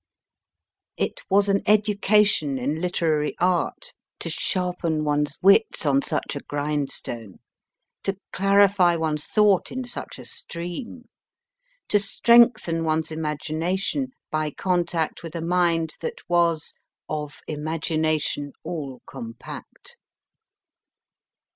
It was an education in literary art to sharpen one s wits on such a grindstone, to clarify one s thought in such a stream, to strengthen one s imagination by contact with a mind that was * of imagination all compact.